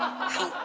はい。